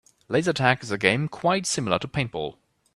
Laser tag is a game quite similar to paintball.